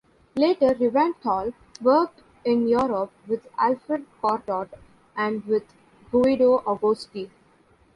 Later Lewenthal worked in Europe with Alfred Cortot and with Guido Agosti.